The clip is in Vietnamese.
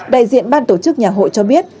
đại diện ban tổ chức nhạc hội cho biết